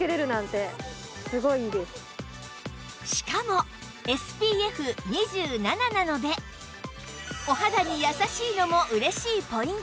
しかも ＳＰＦ２７ なのでお肌に優しいのも嬉しいポイント